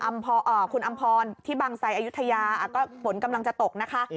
อ่าคุณอำพรที่บางทรายอายุทยาฝนกำลังจะตกนะคะ